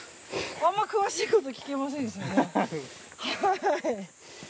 あんま詳しいこと聞きませんでしたね。